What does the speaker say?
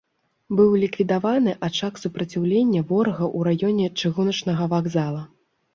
Быў ліквідаваны ачаг супраціўлення ворага ў раёне чыгуначнага вакзала.